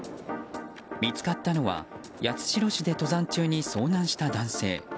見つかったのは八代市で登山中に遭難した男性。